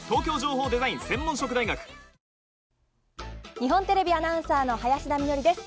日本テレビアナウンサーの林田美学です。